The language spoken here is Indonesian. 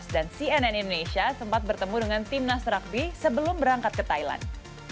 dan cnn indonesia sempat bertemu dengan tim nas rugby sebelum berangkat ke thailand